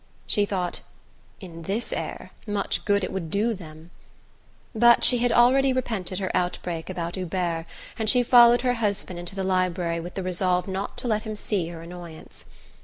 She thought: "In THIS air much good it would do them!" But she had already repented her outbreak about Hubert, and she followed her husband into the library with the resolve not to let him see her annoyance.